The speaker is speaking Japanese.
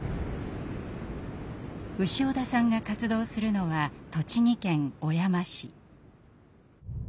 潮田さんが活動するのは栃木県小山市。